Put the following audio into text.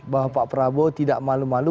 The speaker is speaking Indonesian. bahwa pak prabowo tidak malu malu